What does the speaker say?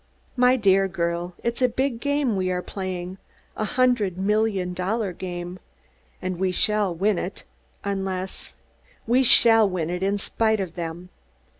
"My dear girl, it's a big game we are playing a hundred million dollar game! And we shall win it, unless we shall win it, in spite of them.